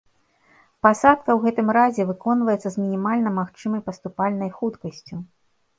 Пасадка ў гэтым разе выконваецца з мінімальна магчымай паступальнай хуткасцю.